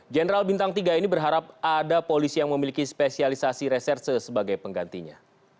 jenderal bintang tiga ini berharap ada polisi yang memiliki spesialisasi reserse sebagai penggantinya